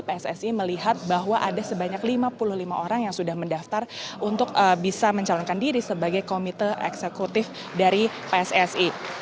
pssi melihat bahwa ada sebanyak lima puluh lima orang yang sudah mendaftar untuk bisa mencalonkan diri sebagai komite eksekutif dari pssi